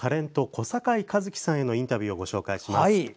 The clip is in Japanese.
小堺一機さんへのインタビューをご紹介します。